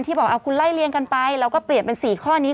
ที่บอกว่าคุณไล่เลียนกันไปแล้วก็เปลี่ยนเป็น๔ข้อนี้